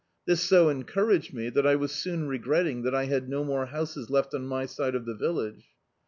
This so encouraged me that I was soon regretting that I had no more houses left on my side of the village.